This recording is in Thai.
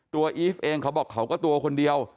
อีฟเองเขาบอกเขาก็ตัวคนเดียว